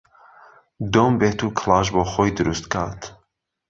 دۆم بێت و کڵاش بۆ خۆی دروست کات